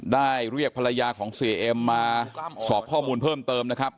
ได้เรียกภรรยาของเสียเอ็มมาสอบข้อมูลเพิ่มเติมนะครับ